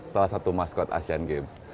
salah satu maskot asian games